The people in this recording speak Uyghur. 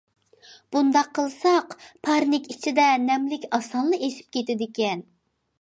بۇنداق قىلساق پارنىك ئىچىدە نەملىك ئاسانلا ئېشىپ كېتىدىكەن.